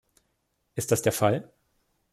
Ist das der Fall?